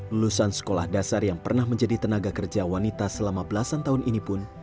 lulusan sekolah dasar yang pernah menjadi tenaga kerja wanita selama belasan tahun ini pun